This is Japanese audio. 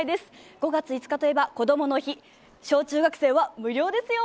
５月５日といえば、こどもの日、小中学生は無料ですよ。